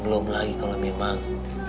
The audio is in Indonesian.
belum lagi kalau memang